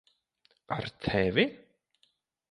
Ar tevi?